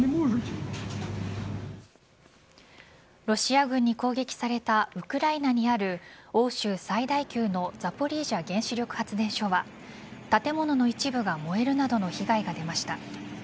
ロシア軍に攻撃されたウクライナにある欧州最大級のザポリージャ原子力発電所は建物の一部が燃えるなどの被害が出ました。